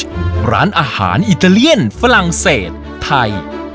ร้านอาหารอิตาเลียนฝรั่งเศสไทย